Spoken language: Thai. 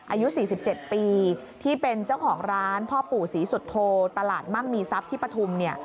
อายุ๔๗ปีที่เป็นเจ้าของร้านพ่อปู่ศรีสุโธตลาดมั่งมีทรัพย์ที่ปฐุม